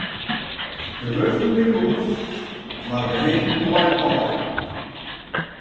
De wurden binne goed, mar de hin leit aaien.